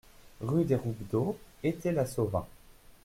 Rue des Roubdeaux, Étais-la-Sauvin